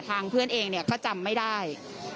ทางเพื่อนเองเนี่ยก็จำไม่ได้